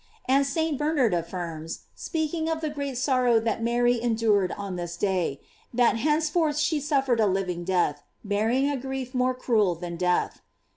f And St. Bernard affirms, speaking of the great sor row that Mary endured on this day, that hence forth she suffered a living death, bearing a grief more cruel than death.